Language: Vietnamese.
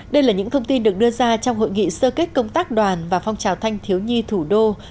đây là những thông tin được đưa ra trong hội nghị sơ kết công tác đoàn và phong trào thanh thiếu nhi thủ đô